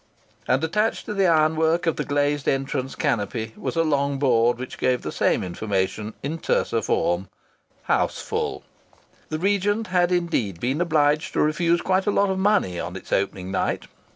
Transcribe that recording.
And attached to the ironwork of the glazed entrance canopy was a long board which gave the same information in terser form: "House Full." The Regent had indeed been obliged to refuse quite a lot of money on its opening night.